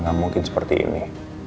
gak mungkin seperti ini